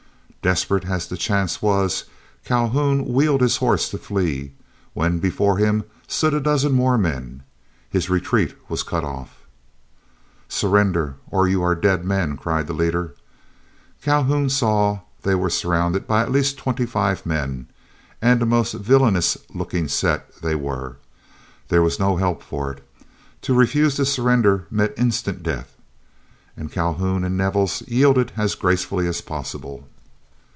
Desperate as the chance was, Calhoun wheeled his horse to flee, when before him stood a dozen more men; his retreat was cut off. "Surrender, or you are dead men," cried the leader. Calhoun saw they were surrounded by at least twenty five men, and a most villainous looking set they were. There was no help for it. To refuse to surrender meant instant death, and Calhoun and Nevels yielded as gracefully as possible.